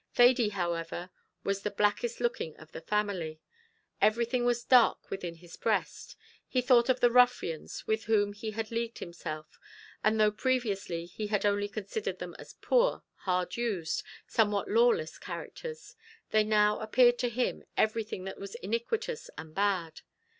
Thady, however, was the blackest looking of the family. Everything was dark within his breast. He thought of the ruffians with whom he had leagued himself; and though previously he had only considered them as poor, hard used, somewhat lawless characters, they now appeared to him everything that was iniquitous and bad.